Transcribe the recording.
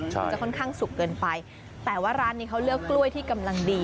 มันจะค่อนข้างสุกเกินไปแต่ว่าร้านนี้เขาเลือกกล้วยที่กำลังดี